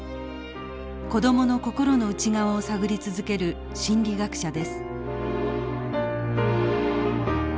子供の心の内側を探り続ける心理学者です。